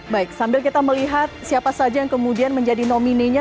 baik sambil kita melihat siapa saja yang kemudian menjadi nominenya